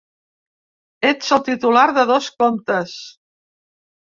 Ets el titular de dos comptes.